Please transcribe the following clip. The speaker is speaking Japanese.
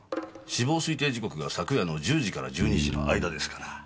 死亡推定時刻が昨夜の１０時から１２時の間ですから。